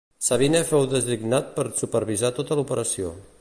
Sabine fou designat per supervisar tota l'operació.